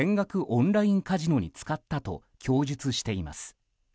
オンラインカジノに使ったと供述しています。